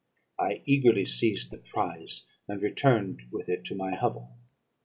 I eagerly seized the prize, and returned with it to my hovel.